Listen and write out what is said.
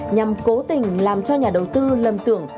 nhằm cố tình làm cho nhà đầu tư lầm tưởng